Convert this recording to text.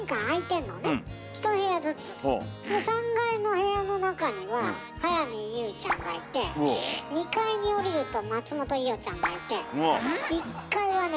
３階の部屋の中には早見優ちゃんがいて２階に下りると松本伊代ちゃんがいて１階はね